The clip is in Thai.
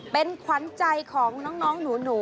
เป็นขวัญใจของน้องหนู